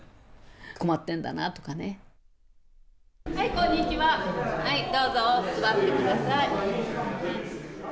こんにちは、どうぞ座ってください。